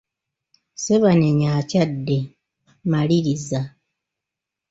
Ssebanenya akyadde, maliriza.